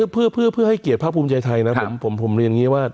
เพื่อให้เกียรติภาคภูมิใจไทยนะผมเรียนอย่างนี้ว่า